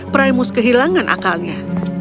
primus kehilangan akalnya